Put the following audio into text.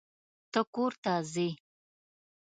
ته کور ته ځې.